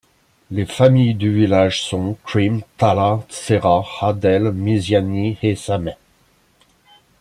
Les familles du village sont: Krim, Talah, Serrah, Adel, Meziani et Samet.